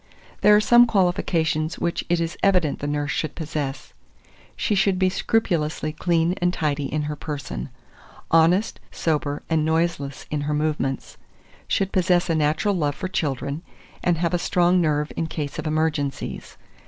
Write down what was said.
There are some qualifications which it is evident the nurse should possess: she should be scrupulously clean and tidy in her person; honest, sober, and noiseless in her movements; should possess a natural love for children, and have a strong nerve in case of emergencies.